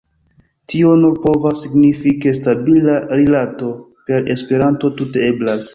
Tio nur povas signifi, ke stabila rilato per Esperanto tute eblas.